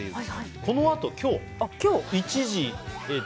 このあと今日１時。